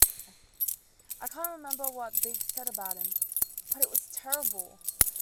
I can't remember what Big said about him, but it was terrible.